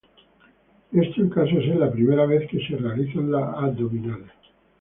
Esto en caso de ser la primera vez que se realizan las abdominales.